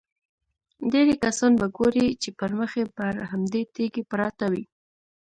ډېری کسان به ګورې چې پړمخې پر همدې تیږې پراته وي.